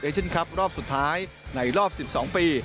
เช่นคลับรอบสุดท้ายในรอบ๑๒ปี